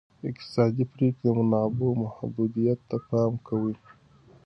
اقتصادي پریکړې د منابعو محدودیت ته پام کوي.